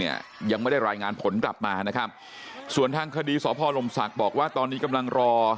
ยังไม่ได้รายงานผลกลับมานะครับส่วนทางคดีสพลมศักดิ์บอกว่าตอนนี้กำลังรอ